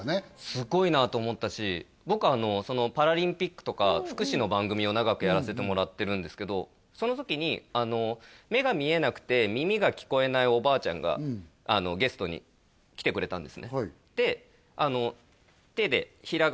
すごいなと思ったし僕パラリンピックとか福祉の番組を長くやらせてもらってるんですけどその時に目が見えなくて耳が聞こえないおばあちゃんがゲストに来てくれたんですね